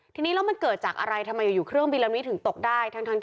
ที่นี่แล้วมันเกิดจากอะไรทำไมอยู่เครื่องบิน